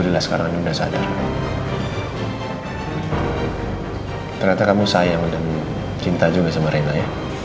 ternyata kamu sayang dan cinta juga sama rena ya